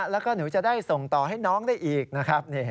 แล้วก็หนูจะได้ส่งต่อให้น้องได้อีกนะครับ